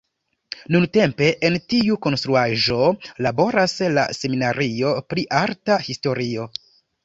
Nuntempe en tiu konstruaĵo laboras la seminario pri arta historio.